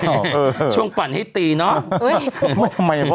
อ๋อเออช่วงปั่นให้ตีเนอะเอ้ยไม่ทำไมหรอ